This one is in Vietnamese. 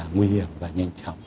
nguy hiểm và nhanh chóng